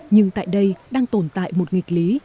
nhưng tại đây đang tồn tại một nghịch lý